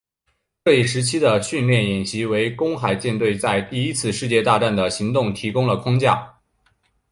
这一时期的训练演习为公海舰队在第一次世界大战的行动提供了框架。